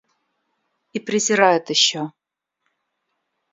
И презирает еще.